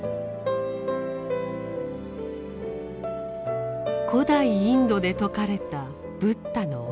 古代インドで説かれたブッダの教え。